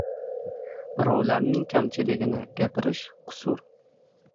• Birovlarning kamchiligini gapirish — qusur.